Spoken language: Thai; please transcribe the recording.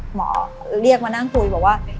หมอเรียกมานั่งคุยบอกว่า